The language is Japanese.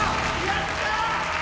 やったー！